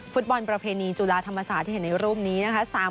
ประเพณีจุฬาธรรมศาสตร์ที่เห็นในรูปนี้นะคะ